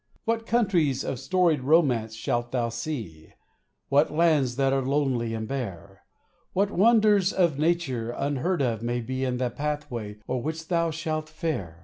What countries of storied romance shalt thou see ? What lands that are lonely and bare ? What wonders of nature unheard of may be In the pathway o'er which thou shalt fare